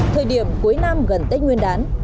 thời điểm cuối năm gần tết nguyên đán